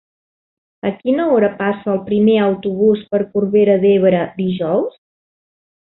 A quina hora passa el primer autobús per Corbera d'Ebre dijous?